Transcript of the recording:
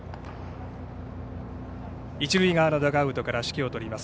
一塁側のダグアウトから指揮を執ります